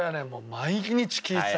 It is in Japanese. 毎日聴いてた。